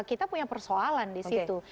kita punya persoalan di situ